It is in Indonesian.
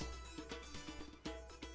terima kasih selamat malam selamat pagi